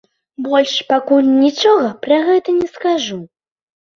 Больш пакуль нічога пра гэта не скажу.